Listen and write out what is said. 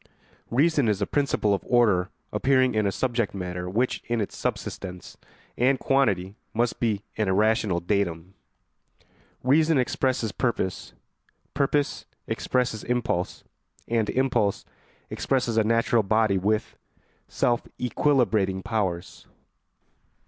Reason is a principle of order appearing in a subject matter which in its subsistence and quantity must be an irrational datum. Reason expresses purpose, purpose expresses impulse, and impulse expresses a natural body with self equilibrating powers.